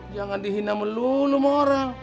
jangan dihina melulu sama orang